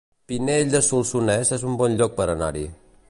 Pinell de Solsonès es un bon lloc per anar-hi